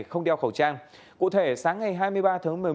không đeo khẩu trang cụ thể sáng ngày hai mươi ba tháng một mươi một